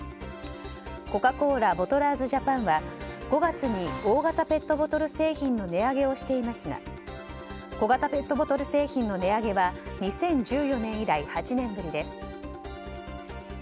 コカ・コーラボトラーズジャパンは５月に大型ペットボトル商品の値上げをしていますが小型ペットボトル製品の値上げは２０１４年以来、８年ぶりです。